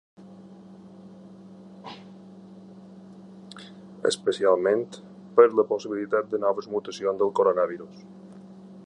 Especialment, per la possibilitat de noves mutacions del coronavirus.